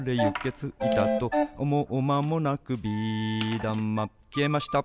「ついたとおもうまもなく」「ビーだまきえました」